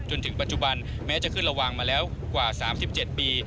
จนถึงปัจจุบันแม้จะขึ้นระวังมาแล้วกว่า๓๗ปี